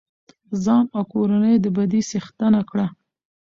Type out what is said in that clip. ځان او کورنۍ يې د بدۍ څښتنه کړه.